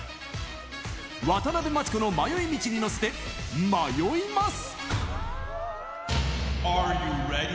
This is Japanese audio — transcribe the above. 渡辺真知子の迷い道に乗せて迷います。